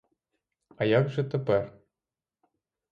А як же тепер?